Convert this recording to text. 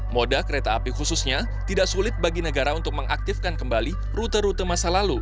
moda kereta api khususnya tidak sulit bagi negara untuk mengaktifkan kembali rute rute masa lalu